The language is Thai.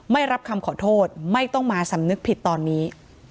ไม่รับคำขอโทษไม่ต้องมาสำนึกผิดตอนนี้